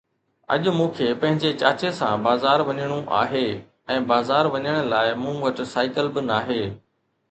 اڄ مون کي پنهنجي چاچي سان بازار وڃڻو آهي ۽ بازار وڃڻ لاءِ مون وٽ سائيڪل به ناهي.